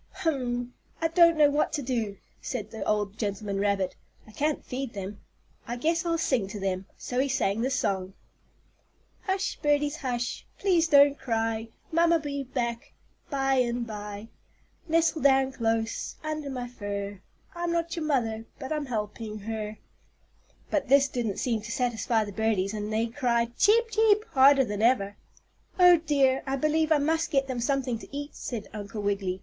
"Hum! I don't know what to do," said the old gentleman rabbit. "I can't feed them. I guess I'll sing to them." So he sang this song: "Hush, birdies, hush, Please don't cry; Mamma'll be back By and by. "Nestle down close Under my fur, I'm not your mother, but I'm helping her." But this didn't seem to satisfy the birdies and they cried "cheep cheep" harder than ever. "Oh, dear! I believe I must get them something to eat," said Uncle Wiggily.